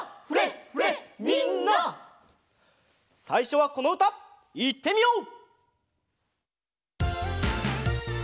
さいしょはこのうたいってみよう！